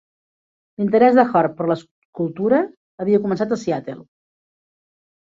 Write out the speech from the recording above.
L'interès de Hord per l'escultura havia començat a Seattle.